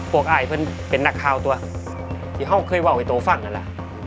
พวกอายเหมือนเป็นนักข่าวตัวที่เขาเคยว่าไว้โต้ฝั่งนั่นล่ะ